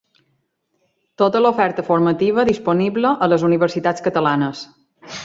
Tota l'oferta formativa disponible a les universitats catalanes.